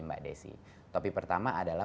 mbak desy topi pertama adalah